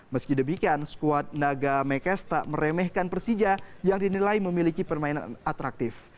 meski demikian skuad naga mekes tak meremehkan persija yang dinilai memiliki permainan atraktif